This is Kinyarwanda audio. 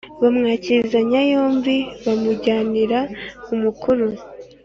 bamwakizanya yombi bamujyanira umukuru